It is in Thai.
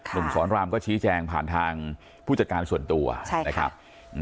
หนุ่มสอนรามก็ชี้แจงผ่านทางผู้จัดการส่วนตัวนะครับ